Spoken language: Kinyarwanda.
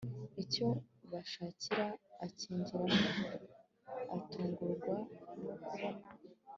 icyo bashakira akinjiramo atungurwa nokubona…